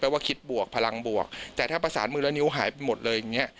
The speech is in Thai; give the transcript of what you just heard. ว่าคิดบวกพลังบวกแต่ถ้าประสานมือแล้วนิ้วหายไปหมดเลยอย่างเงี้